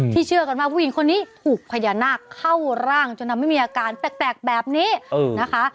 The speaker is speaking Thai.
เชื่อกันว่าผู้หญิงคนนี้ถูกพญานาคเข้าร่างจนทำให้มีอาการแปลกแบบนี้นะคะ